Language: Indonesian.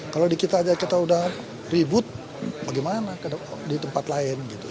kalau di kita aja kita udah ribut bagaimana di tempat lain gitu